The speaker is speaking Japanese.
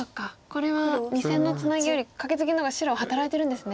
これは２線のツナギよりカケツギの方が白働いてるんですね。